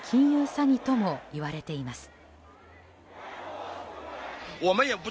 詐欺ともいわれています。